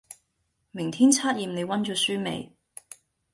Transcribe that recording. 明天測驗你溫咗書未